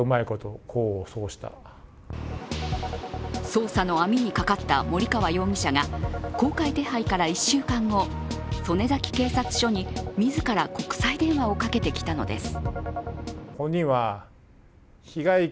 捜査の網にかかった森川容疑者が公開手配から１週間後、曽根崎警察署に自ら国際電話をかけてきたのです。